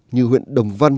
như huyện đồng văn